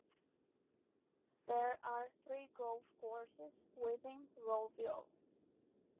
There are three golf courses within Rowville.